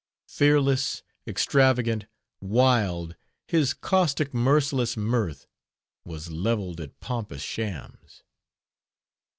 Fearless, extravagant, wild, His caustic merciless mirth Was leveled at pompous shams.